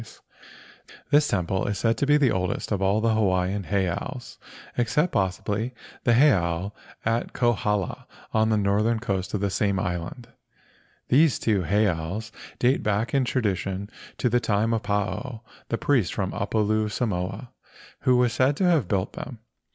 THE GHOST OF WAH AULA TEMPLE 3 This temple is said to be the oldest of all the Hawaiian heiaus—except possibly the heiau at Kohala on the northern coast of the same island. These two heiaus date back in tradition to the time of Paao, the priest from Upolu, Samoa, who was said to have built them.